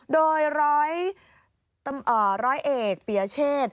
โดยร้อยเอกปียเชษ